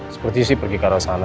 seperti sih pergi ke arah sana